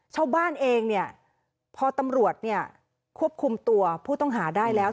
ช่าวบ้านเองพอตำรวจควบคุมตัวผู้ต้องหาได้แล้ว